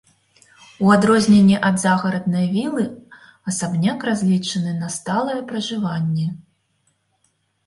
У адрозненне ад загараднай вілы, асабняк разлічаны на сталае пражыванне.